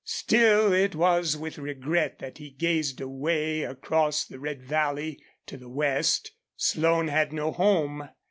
Still, it was with regret that he gazed away across the red valley to the west. Slone had no home.